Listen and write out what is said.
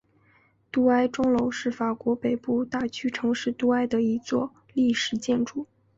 杜埃钟楼是法国北部大区城市杜埃的一座历史建筑。